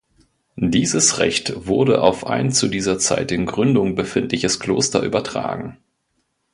Dieses Recht wurde auf ein zu dieser Zeit in Gründung befindliches Kloster übertragen.